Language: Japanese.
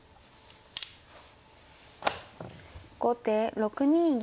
後手６二銀。